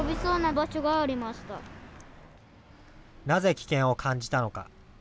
なぜ危険を感じたのか。